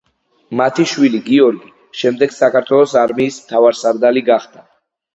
მათი შვილი, გიორგი, შემდეგ საქართველოს არმიის მთავარსარდალი გახდა.